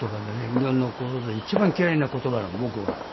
日本の言葉で一番嫌いな言葉なの僕は。